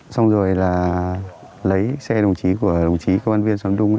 xong rồi là lấy xe đồng chí của đồng chí công an viên xóm đông